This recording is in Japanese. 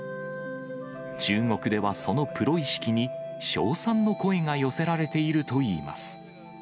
中国ではそのプロ意識に、称賛の声が寄せられているといいます。